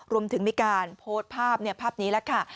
รวมถึงมีการโพสต์ภาพภาพนี้แล้วค่ะ